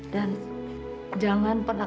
dan jangan pernah